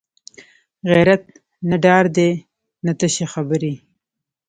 غیرت نه ډار دی نه تشه خبرې